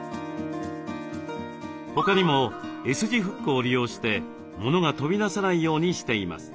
他にもＳ字フックを利用してものが飛び出さないようにしています。